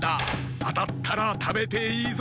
あたったらたべていいぞ。